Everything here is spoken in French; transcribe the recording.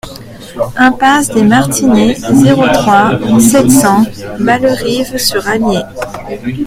Impasse des Martinets, zéro trois, sept cents Bellerive-sur-Allier